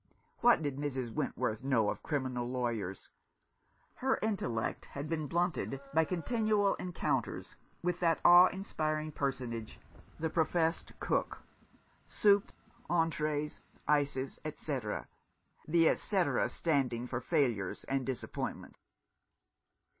What did Mrs. Wentworth know of criminal lawyers ? Her intellect had been blunted by continual encounters with that awe inspiring personage, the professed cook, "soups, entrees, ices, etc.," the etc. standing for failures and disappointments.